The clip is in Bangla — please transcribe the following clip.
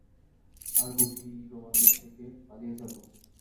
আর আজ বুঝি রোমানদের থেকে পালিয়ে যাব?